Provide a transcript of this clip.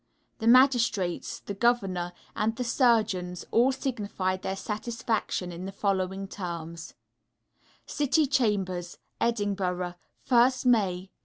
The magistrates, the governor, and the surgeons all signified their satisfaction, in the following terms: City Chambers, Edinburgh, _1st May, 1884.